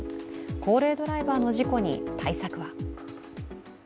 高齢ドライバーの事故に対策は？